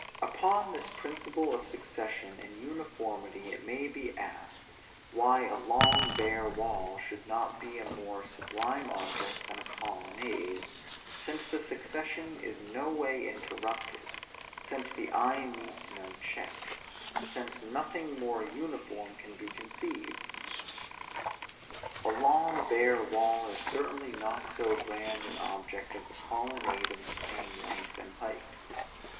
Upon this principle of succession and uniformity it may be asked, why a long bare wall should not be a more sublime object than a colonnade; since the succession is no way interrupted; since the eye meets no check; since nothing more uniform can be conceived? A long bare wall is certainly not so grand an object as a colonnade of the same length and height.